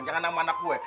jangan sama anak gue